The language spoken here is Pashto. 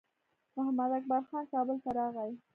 محمداکبر خان کابل ته راغی.